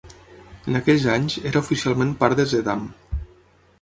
En aquells anys, era oficialment part de Zeddam.